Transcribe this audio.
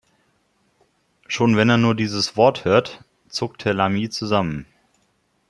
Schon wenn er nur dieses Wort hört, zuckt Herr Lamy zusammen!